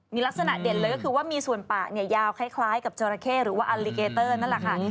มีลักษณะเด่นเลยก็คือว่ามีส่วนปากยาวคล้ายกับจราเข้หรือว่าอัลลิเกเตอร์นั่นแหละค่ะ